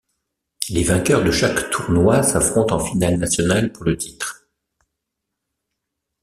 Les vainqueurs de chaque tournoi s’affrontent en finale nationale pour le titre.